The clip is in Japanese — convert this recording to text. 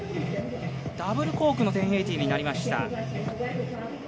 ダブルコークの１０８０になりました。